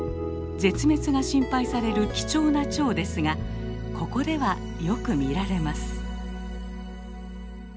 絶滅が心配される貴重な蝶ですがここではよく見られます。